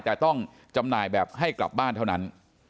แต่ต้องจำหน่ายแบบให้กลับบ้านเท่านั้น